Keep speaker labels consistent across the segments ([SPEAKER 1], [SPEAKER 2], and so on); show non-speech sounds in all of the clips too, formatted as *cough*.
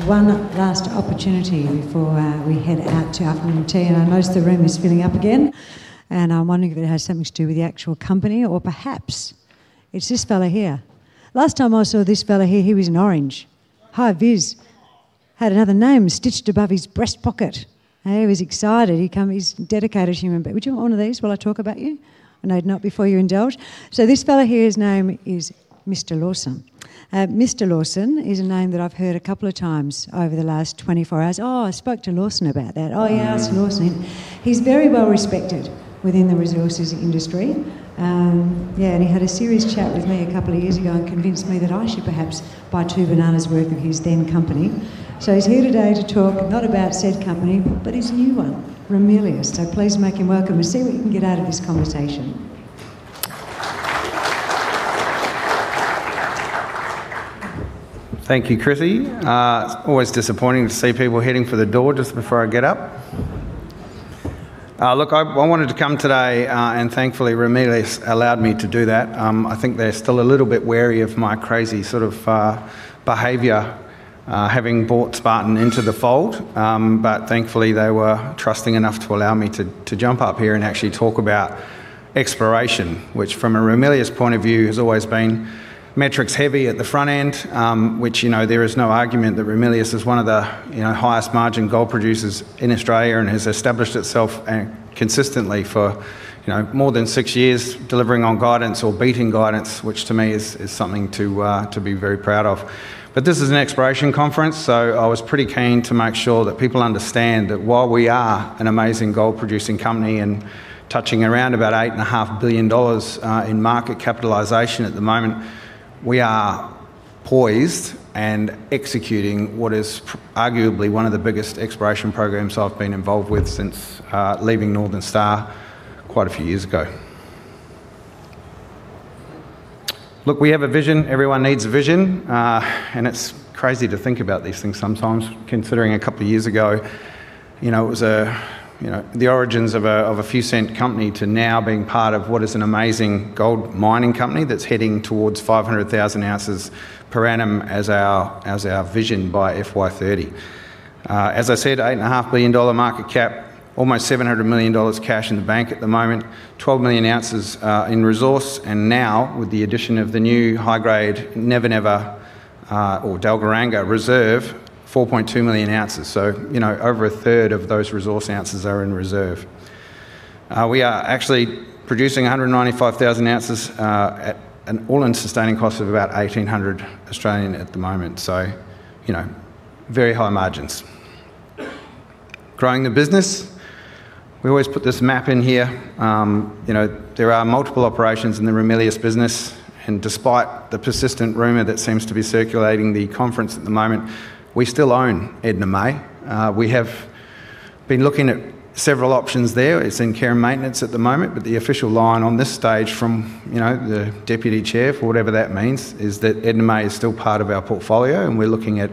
[SPEAKER 1] Right, one last opportunity before we head out to afternoon tea. I notice the room is filling up again, and I'm wondering if it has something to do with the actual company, or perhaps it's this fellow here. Last time I saw this fellow here, he was in orange, hi-vis, had another name stitched above his breast pocket. He was excited. He's a dedicated human being. Would you want one of these while I talk about you? No, not before you indulge. This fellow here, his name is Mr. Lawson. Mr. Lawson is a name that I've heard a couple of times over the last 24 hours. "Oh, I spoke to Lawson about that." "Oh, yeah, I asked Lawson." He's very well respected within the resources industry. Yeah, and he had a serious chat with me a couple of years ago and convinced me that I should perhaps buy two bananas worth of his then company. So he's here today to talk, not about said company, but his new one, Ramelius. So please make him welcome, and see what you can get out of this conversation.
[SPEAKER 2] Thank you, Chrissy. It's always disappointing to see people heading for the door just before I get up. Look, I wanted to come today, and thankfully, Ramelius allowed me to do that. I think they're still a little bit wary of my crazy sort of behavior, having bought Spartan into the fold. But thankfully, they were trusting enough to allow me to jump up here and actually talk about exploration, which from a Ramelius point of view, has always been metrics heavy at the front end. Which, you know, there is no argument that Ramelius is one of the, you know, highest margin gold producers in Australia and has established itself consistently for, you know, more than six years, delivering on guidance or beating guidance, which to me is something to be very proud of. But this is an exploration conference, so I was pretty keen to make sure that people understand that while we are an amazing gold producing company and touching around about 8.5 billion dollars, in market capitalization at the moment, we are poised and executing what is arguably one of the biggest exploration programs I've been involved with since leaving Northern Star quite a few years ago. Look, we have a vision. Everyone needs a vision, and it's crazy to think about these things sometimes, considering a couple of years ago, you know, it was a, you know, the origins of a few cent company to now being part of what is an amazing gold mining company that's heading towards 500,000 ounces per annum as our, as our vision by FY 2030. As I said, 8.5 billion dollar market cap, almost 700 million dollars cash in the bank at the moment, 12 million ounces in resource, and now with the addition of the new high grade, Never Never, or Dalgaranga reserve, 4.2 million ounces. So, you know, over a third of those resource ounces are in reserve. We are actually producing 195,000 ounces at an all-in sustaining cost of about 1,800 at the moment. So, you know, very high margins. Growing the business, we always put this map in here. You know, there are multiple operations in the Ramelius business, and despite the persistent rumor that seems to be circulating the conference at the moment, we still own Edna May. We have been looking at several options there. It's in care and maintenance at the moment, but the official line on this stage from, you know, the Deputy Chair, for whatever that means, is that Edna May is still part of our portfolio, and we're looking at,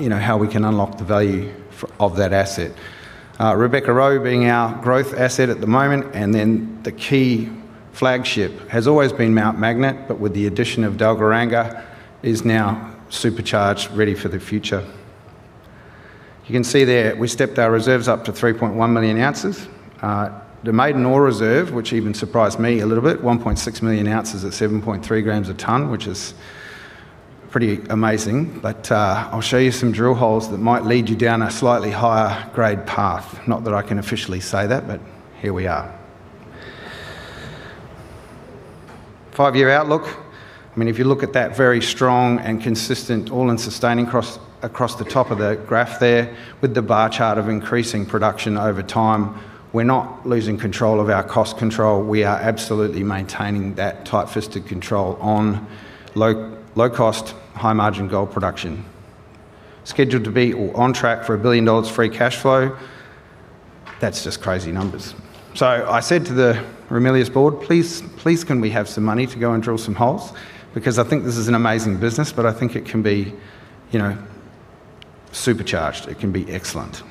[SPEAKER 2] you know, how we can unlock the value for, of that asset. Rebecca/Roe being our growth asset at the moment, and then the key flagship has always been Mount Magnet, but with the addition of Dalgaranga, is now supercharged, ready for the future. You can see there, we stepped our reserves up to 3.1 million ounces. The maiden ore reserve, which even surprised me a little bit, 1.6 million ounces at 7.3 grams a ton, which is pretty amazing, but, I'll show you some drill holes that might lead you down a slightly higher grade path. Not that I can officially say that, but here we are. Five-year outlook. I mean, if you look at that, very strong and consistent All-in Sustaining Cost across the top of the graph there, with the bar chart of increasing production over time. We're not losing control of our cost control. We are absolutely maintaining that tight-fisted control on low, low-cost, high-margin gold production. Scheduled to be or on track for 1 billion dollars free cash flow. That's just crazy numbers. So I said to the Ramelius Board: "Please, please, can we have some money to go and drill some holes? Because I think this is an amazing business, but I think it can be, you know, supercharged. It can be excellent."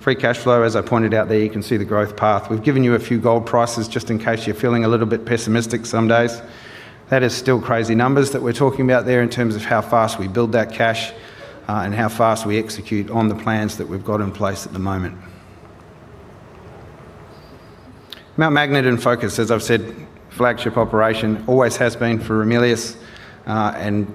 [SPEAKER 2] free cash flow, as I pointed out there, you can see the growth path. We've given you a few gold prices just in case you're feeling a little bit pessimistic some days. That is still crazy numbers that we're talking about there in terms of how fast we build that cash, and how fast we execute on the plans that we've got in place at the moment. Mount Magnet in focus, as I've said, flagship operation, always has been for Ramelius, and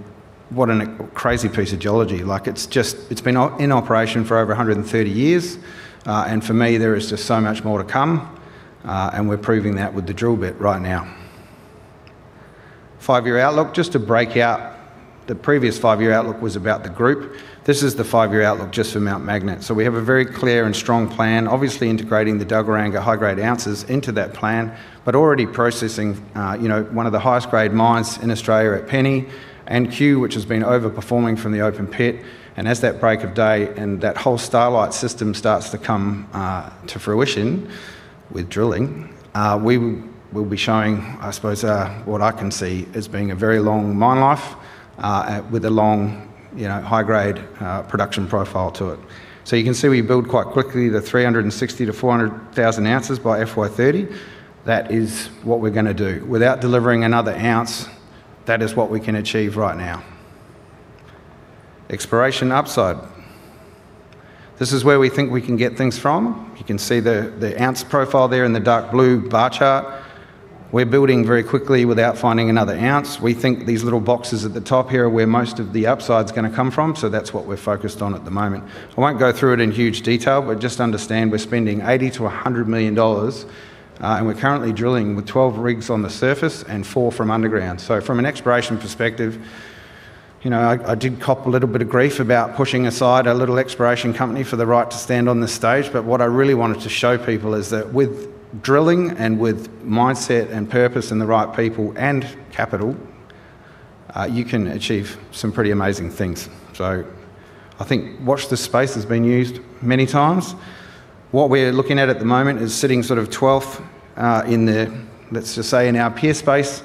[SPEAKER 2] what a crazy piece of geology. Like, it's just it's been in operation for over 130 years, and for me, there is just so much more to come, and we're proving that with the drill bit right now. Five-year outlook, just to break out. The previous five-year outlook was about the group. This is the five-year outlook just for Mount Magnet. So we have a very clear and strong plan, obviously integrating the Dalgaranga high-grade ounces into that plan, but already processing, you know, one of the highest grade mines in Australia at Penny and Cue, which has been overperforming from the open pit. And as that Break of Day and that whole Starlight system starts to come to fruition with drilling, we will be showing, I suppose, what I can see as being a very long mine life, with a you know, high-grade production profile to it. So you can see we build quite quickly the 360,000-400,000 ounces by FY 2030. That is what we're gonna do. Without delivering another ounce, that is what we can achieve right now. Exploration upside. This is where we think we can get things from. You can see the ounce profile there in the dark blue bar chart. We're building very quickly without finding another ounce. We think these little boxes at the top here are where most of the upside's gonna come from, so that's what we're focused on at the moment. I won't go through it in huge detail, but just understand we're spending 80 million-100 million dollars, and we're currently drilling with 12 rigs on the surface and four from underground. So from an exploration perspective, you know, I did cop a little bit of grief about pushing aside a little exploration company for the right to stand on this stage, but what I really wanted to show people is that with drilling and with mindset and purpose and the right people and capital, you can achieve some pretty amazing things. So I think "watch this space" has been used many times. What we're looking at, at the moment, is sitting sort of 12th, in the, let's just say, in our peer space,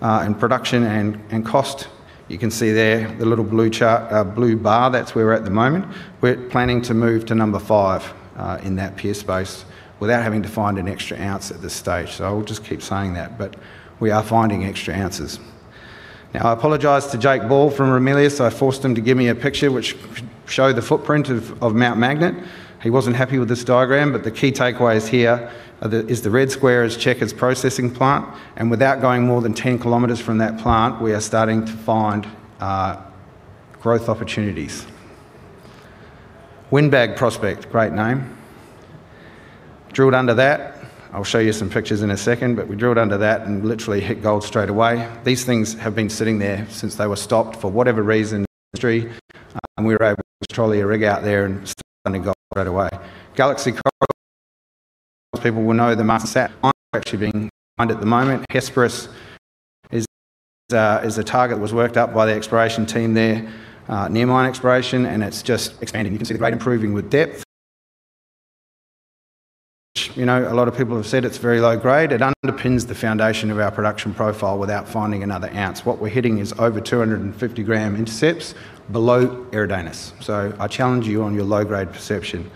[SPEAKER 2] in production and, and cost. You can see there, the little blue chart, blue bar, that's where we're at the moment. We're planning to move to number five, in that peer space without having to find an extra ounce at this stage. So I'll just keep saying that, but we are finding extra ounces. Now, I apologize to Jake Ball from Ramelius. I forced him to give me a picture which showed the footprint of, of Mount Magnet. He wasn't happy with this diagram, but the key takeaways here are the red square is Checkers processing plant, and without going more than 10 km from that plant, we are starting to find growth opportunities. Windbag prospect, great name. Drilled under that. I'll show you some pictures in a second, but we drilled under that and literally hit gold straight away. These things have been sitting there since they were stopped, for whatever reason, industry, and we were able to trolley a rig out there and find gold right away. Galaxy Coral, *audio distortion* people will know the Mars and Saturn are actually being mined at the moment. Hesperus is a target that was worked up by the exploration team there, near mine exploration, and it's just expanding. You can see the grade improving with depth. You know, a lot of people have said it's very low grade. It underpins the foundation of our production profile without finding another ounce. What we're hitting is over 250 gram intercepts below Eridanus. So I challenge you on your low-grade perception.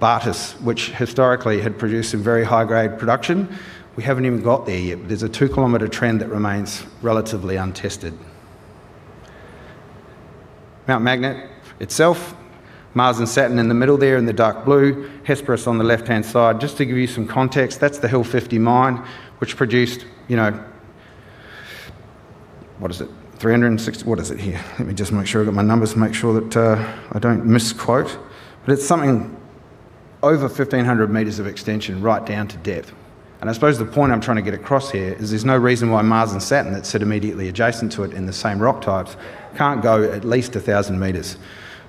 [SPEAKER 2] Bartus, which historically had produced some very high-grade production, we haven't even got there yet. There's a 2 km trend that remains relatively untested. Mount Magnet itself, Mars and Saturn in the middle there in the dark blue, Hesperus on the left-hand side. Just to give you some context, that's the Hill 50 mine, which produced, you know-- What is it? 360,000. What is it here? Let me just make sure I've got my numbers to make sure that, I don't misquote. But it's something over 1,500 meters of extension right down to depth, and I suppose the point I'm trying to get across here is there's no reason why Mars and Saturn, that sit immediately adjacent to it in the same rock types, can't go at least 1,000 meters.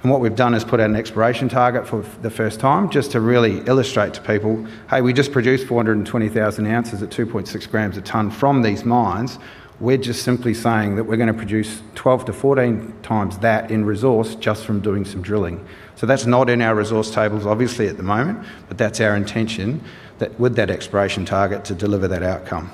[SPEAKER 2] And what we've done is put out an exploration target for the first time, just to really illustrate to people, "Hey, we just produced 420,000 ounces at 2.6 grams a ton from these mines." We're just simply saying that we're gonna produce 12x-14x that in resource just from doing some drilling. So that's not in our resource tables, obviously, at the moment, but that's our intention, that with that exploration target, to deliver that outcome.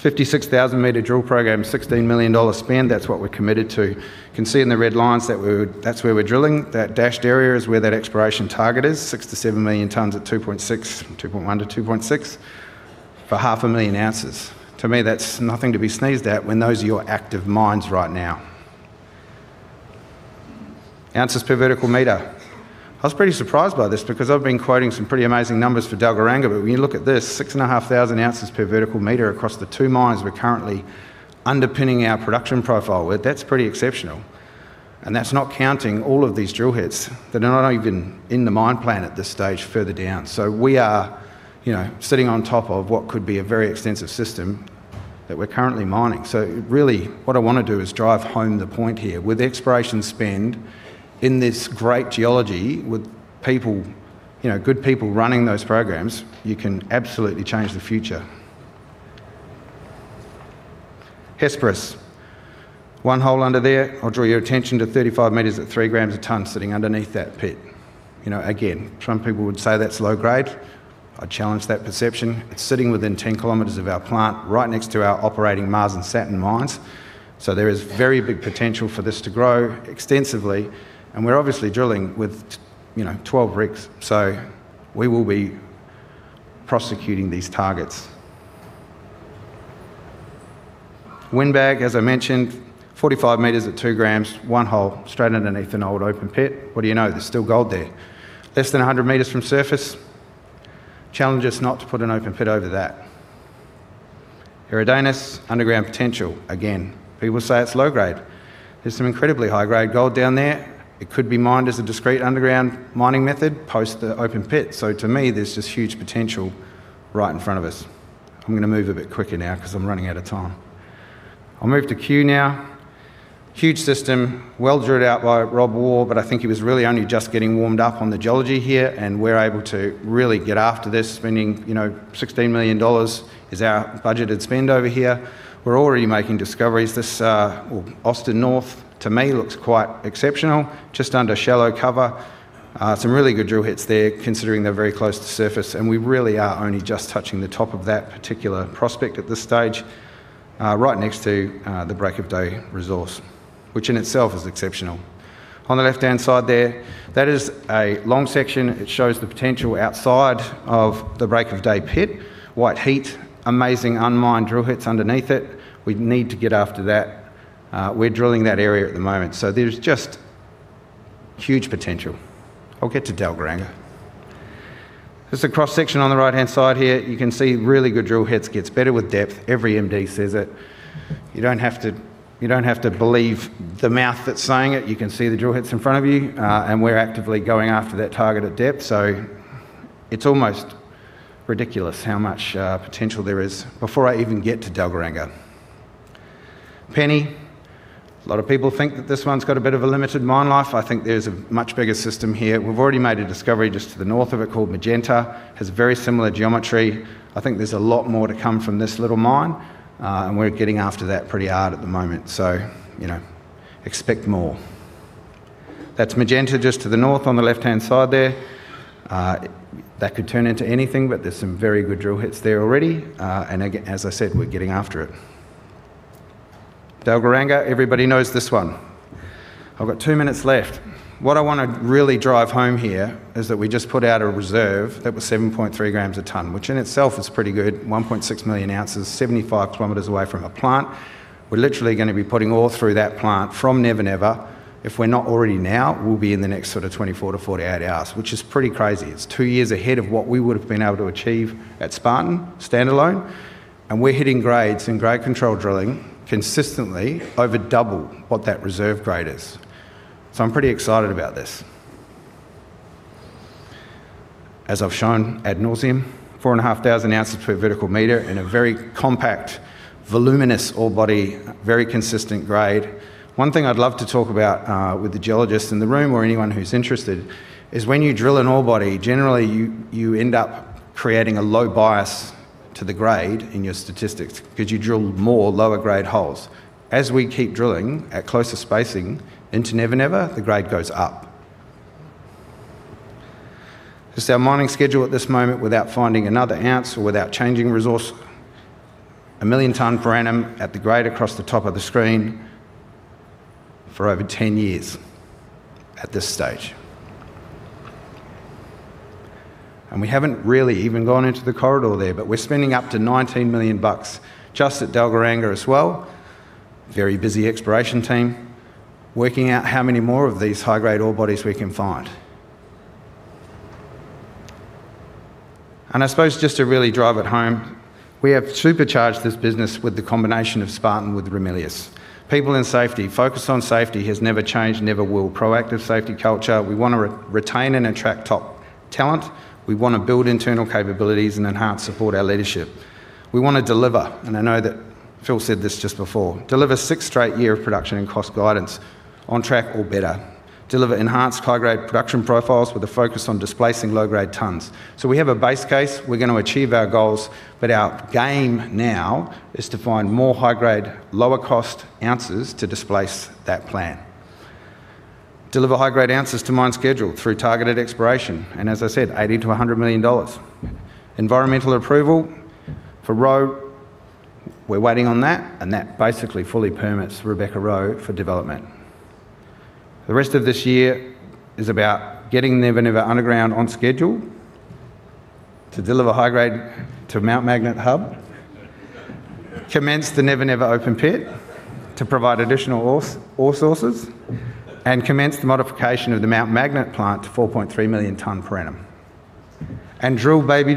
[SPEAKER 2] 56,000-meter drill program, 16 million dollar spend, that's what we're committed to. You can see in the red lines that we're, that's where we're drilling. That dashed area is where that exploration target is, 6 million-7 million tonnes at 2.6, 2.1-2.6, for 500,000 ounces. To me, that's nothing to be sneezed at when those are your active mines right now. Ounces per vertical meter. I was pretty surprised by this because I've been quoting some pretty amazing numbers for Dalgaranga, but when you look at this, 6,500 ounces per vertical meter across the two mines we're currently underpinning our production profile with, that's pretty exceptional, and that's not counting all of these drill hits that are not even in the mine plan at this stage further down. So we are, you know, sitting on top of what could be a very extensive system that we're currently mining. So really, what I want to do is drive home the point here. With exploration spend in this great geology, with people, you know, good people running those programs, you can absolutely change the future. Hesperus, one hole under there. I'll draw your attention to 35 meters at 3 grams a tonne sitting underneath that pit. You know, again, some people would say that's low grade. I challenge that perception. It's sitting within 10 km of our plant, right next to our operating Mars and Saturn mines, so there is very big potential for this to grow extensively, and we're obviously drilling with you know, 12 rigs, so we will be prosecuting these targets. Windbag, as I mentioned, 45 meters at 2 grams, one hole straight underneath an old open pit. What do you know? There's still gold there. Less than 100 meters from surface. Challenge us not to put an open pit over that. Eridanus, underground potential, again, people say it's low grade. There's some incredibly high-grade gold down there. It could be mined as a discrete underground mining method, post the open pit. So to me, there's just huge potential right in front of us. I'm gonna move a bit quicker now because I'm running out of time. I'll move to Cue now. Huge system, well drilled out by Rob Waugh, but I think he was really only just getting warmed up on the geology here, and we're able to really get after this, spending, you know, 16 million dollars is our budgeted spend over here. We're already making discoveries. This, well, Austin North, to me, looks quite exceptional, just under shallow cover. Some really good drill hits there, considering they're very close to surface, and we really are only just touching the top of that particular prospect at this stage, right next to the Break of Day resource, which in itself is exceptional. On the left-hand side there, that is a long section. It shows the potential outside of the Break of Day pit. White Heat, amazing unmined drill hits underneath it. We need to get after that. We're drilling that area at the moment, so there's just huge potential. I'll get to Dalgaranga. There's a cross-section on the right-hand side here. You can see really good drill hits, gets better with depth. Every MD says it. You don't have to, you don't have to believe the mouth that's saying it. You can see the drill hits in front of you, and we're actively going after that target at depth, so it's almost ridiculous how much potential there is before I even get to Dalgaranga. Penny, a lot of people think that this one's got a bit of a limited mine life. I think there's a much bigger system here. We've already made a discovery just to the north of it called Magenta. Has very similar geometry. I think there's a lot more to come from this little mine, and we're getting after that pretty hard at the moment, so, you know, expect more. That's Magenta just to the north on the left-hand side there. That could turn into anything, but there's some very good drill hits there already, and as I said, we're getting after it. Dalgaranga, everybody knows this one. I've got two minutes left. What I want to really drive home here is that we just put out a reserve that was 7.3 grams a ton, which in itself is pretty good. 1.6 million ounces, 75 km away from a plant. We're literally going to be putting ore through that plant from Never Never. If we're not already now, we'll be in the next sort of 24-48 hours, which is pretty crazy. It's two years ahead of what we would have been able to achieve at Spartan standalone, and we're hitting grades in grade control drilling consistently over double what that reserve grade is. So I'm pretty excited about this. As I've shown ad nauseam, 4,500 ounces per vertical meter in a very compact, voluminous ore body, very consistent grade. One thing I'd love to talk about with the geologists in the room or anyone who's interested is when you drill an ore body, generally, you end up creating a low bias to the grade in your statistics because you drill more lower-grade holes. As we keep drilling at closer spacing into Never Never, the grade goes up. This is our mining schedule at this moment without finding another ounce or without changing resource. 1 million ton per annum at the grade across the top of the screen for over 10 years at this stage. And we haven't really even gone into the corridor there, but we're spending up to 19 million bucks just at Dalgaranga as well. Very busy exploration team, working out how many more of these high-grade ore bodies we can find. I suppose just to really drive it home, we have supercharged this business with the combination of Spartan with Ramelius. People and safety. Focus on safety has never changed, never will. Proactive safety culture. We want to retain and attract top talent. We want to build internal capabilities and enhance, support our leadership. We want to deliver, and I know that Phil said this just before, deliver six straight year of production and cost guidance on track or better. Deliver enhanced high-grade production profiles with a focus on displacing low-grade tons. So we have a base case. We're going to achieve our goals, but our game now is to find more high-grade, lower-cost ounces to displace that plan. Deliver high-grade ounces to mine schedule through targeted exploration, and as I said, 80 million-100 million dollars. Environmental approval for Roe, we're waiting on that, and that basically fully permits Rebecca/Roe for development. The rest of this year is about getting Never Never underground on schedule to deliver high grade to Mount Magnet hub, commence the Never Never open pit to provide additional ore sources, and commence the modification of the Mount Magnet plant to 4.3 million ton per annum, and drill--